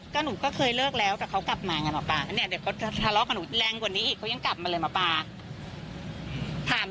ก็หนูก็เคยเลิกแล้วแต่เขากลับมาไงหมอปลาก็เนี่ยเดี๋ยวเขาทะเลาะกับหนูแรงกว่านี้อีกเขายังกลับมาเลยหมอปลา